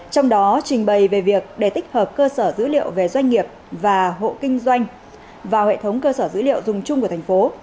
trong đó trình bày về việc để tích hợp cơ sở dữ liệu về doanh nghiệp và hộ kinh doanh vào hệ thống cơ sở dữ liệu dùng chung của thành phố